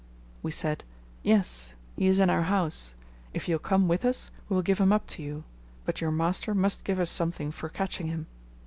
We said, 'yes; he is in our house. If you will come with us, we will give him up to you; but your master must give us something for catching him.'"